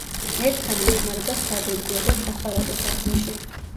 მერქანი იხმარება სადურგლო და სახარატო საქმეში.